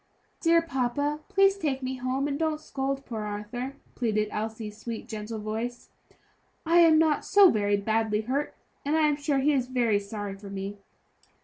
"Dear papa, please take me home, and don't scold poor Arthur," pleaded Elsie's sweet, gentle voice; "I am not so very badly hurt, and I am sure he is very sorry for me."